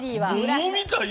桃みたい